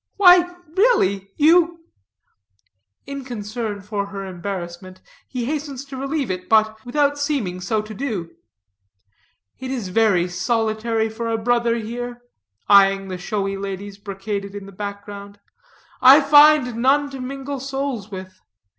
"Why really you " In concern for her embarrassment, he hastens to relieve it, but, without seeming so to do. "It is very solitary for a brother here," eying the showy ladies brocaded in the background, "I find none to mingle souls with.